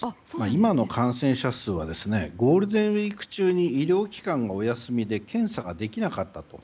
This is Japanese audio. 今の感染者数はゴールデンウィーク中に医療機関がお休みで検査ができなかったと。